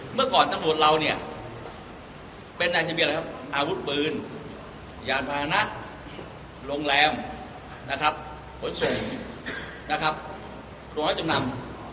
เมื่อก่อนตำรวจเราเนี่ยอาวุธปืนยานพาหนะโรงแรมส่วนสูงตรงรถจมนำ